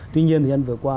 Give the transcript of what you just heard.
tuy nhiên thời gian vừa qua